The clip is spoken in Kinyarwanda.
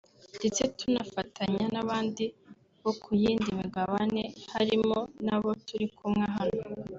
ndetse tunafatanya n’abandi bo ku yindi migabane harimo n’abo turi kumwe hano